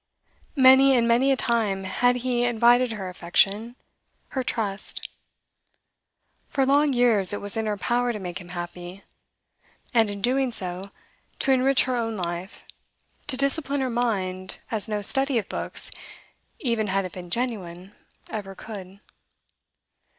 Many and many a time had he invited her affection, her trust. For long years it was in her power to make him happy, and, in doing so, to enrich her own life, to discipline her mind as no study of books, even had it been genuine, ever could.